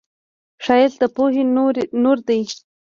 ښایست د پوهې نور دی